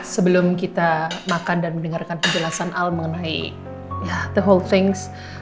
sebelum kita makan dan mendengarkan penjelasan al mengenai the hold things